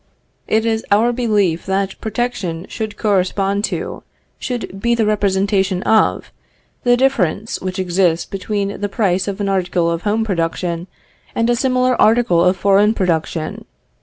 "It is our belief that protection should correspond to, should be the representation of, the difference which exists between the price of an article of home production and a similar article of foreign production....